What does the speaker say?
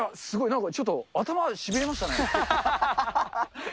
なんかちょっと頭、しびれましたね。